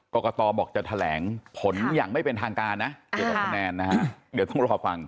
กรกตบอกจะแถลงผลอย่างไม่เป็นทางการนะเกี่ยวกับคะแนนนะฮะเดี๋ยวต้องรอฟัง